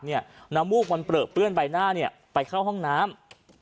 น้ำมูกมันเปลือกเปื้อนใบหน้าไปเข้าห้องน้ำ